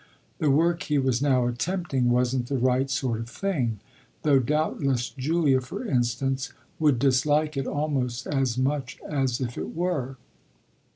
The work he was now attempting wasn't the right sort of thing, though doubtless Julia, for instance, would dislike it almost as much as if it were.